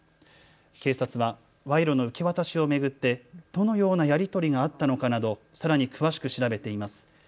警察は賄賂の受け渡しを巡ってどのようなやり取りがあったのかなどさらに詳しく調べています。